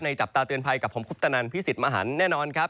จับตาเตือนภัยกับผมคุปตนันพี่สิทธิ์มหันแน่นอนครับ